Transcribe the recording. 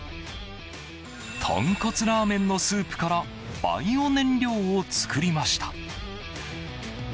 豚骨ラーメンのスープからバイオ燃料を作りました。